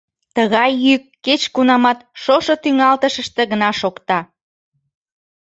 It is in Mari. Тыгай йӱк кеч кунамат шошо тӱҥалтышыште гына шокта.